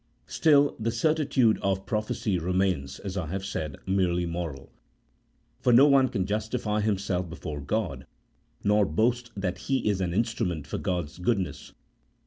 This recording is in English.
Still the certitude of prophecy remains, as I have said, merely moral ; for no one can justify himself before God, nor boast that he is an instrument for God's goodness.